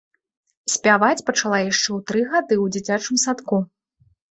Спяваць пачала яшчэ ў тры гады ў дзіцячым садку.